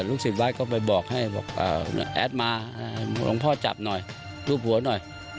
ลูกศิษย์บ้านก็ไปบอกให้บอกแอดมาหลวงพ่อจับหน่อยลูกบัวหน่อย